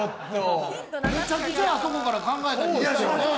めちゃくちゃあそこから考えたんですけれど。